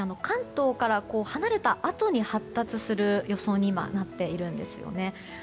関東から離れたあとに発達する予想になっています。